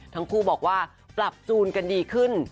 ทั้งคู่บอกว่าปรับจูนกันดีขึ้น